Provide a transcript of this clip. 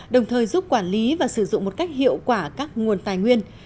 đồng thời giúp quản lý và sử dụng một cách hiệu quả các nguồn tài nguyên